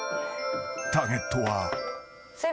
［ターゲットは］